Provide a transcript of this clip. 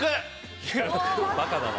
バカだな。